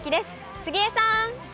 杉江さん。